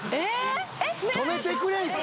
止めてくれ１回！